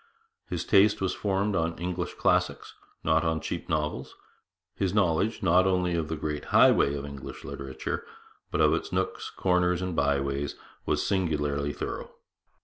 His taste was formed on English classics, not on cheap novels. His knowledge, not only of the great highways of English literature, but of its nooks, corners, and byways, was singularly thorough.